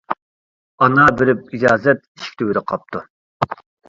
ئانا بېرىپ ئىجازەت، ئىشىك تۈۋىدە قاپتۇ.